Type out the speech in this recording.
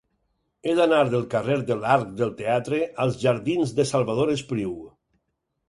He d'anar del carrer de l'Arc del Teatre als jardins de Salvador Espriu.